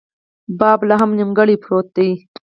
باب لا هم نیمګړۍ پروت دی.